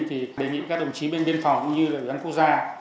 thì đề nghị các đồng chí bên biên phòng như ủy ban quốc gia